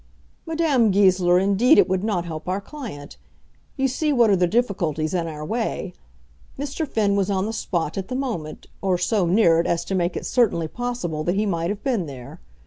"Madame Goesler, indeed it would not help our client. You see what are the difficulties in our way. Mr. Finn was on the spot at the moment, or so near it as to make it certainly possible that he might have been there.